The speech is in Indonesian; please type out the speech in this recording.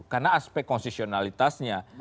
karena aspek konsesionalitasnya